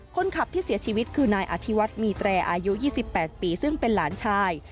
คนขับที่เสียชีวิตคือนายอธิวัฒน์มีแตรอายุ๒๘ปีซึ่งเป็นหลานชาย